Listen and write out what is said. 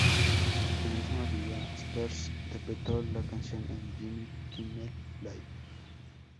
El mismo día, Spears interpretó la canción en "Jimmy Kimmel Live!